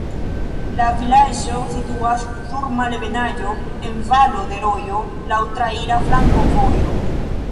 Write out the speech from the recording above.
La vilaĝo situas sur malebenaĵo, en valo de rojo, laŭ traira flankovojo.